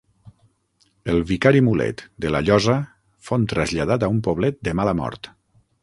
El vicari Mulet, de la Llosa, fon traslladat a un poblet de mala mort.